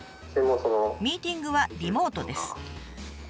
ミーティングはリモートです。